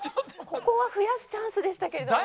ここは増やすチャンスでしたけれどもね。